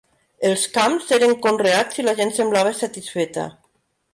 Els camps eren conreats i la gent semblava satisfeta